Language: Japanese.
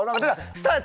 スターや。